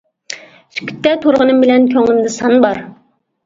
سۈكۈتتە تۇرغىنىم بىلەن، كۆڭلۈمدە سان بار.